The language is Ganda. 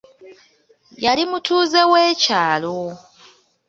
Yali mutuuze w'ekyalo.